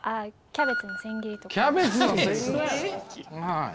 キャベツの千切り。